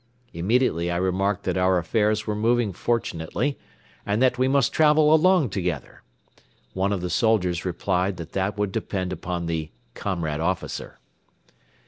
Immediately I remarked that our affairs were moving fortunately and that we must travel along together. One of the soldiers replied that that would depend upon the "Comrade officer."